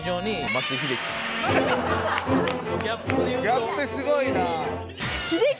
ギャップすごいな。